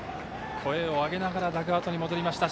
声を上げながらダグアウトに戻りました。